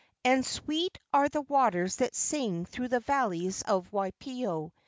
And sweet are the waters that sing through the valleys of Waipio.